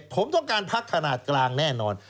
ผมต้องการพักขนาดกลางแน่นอน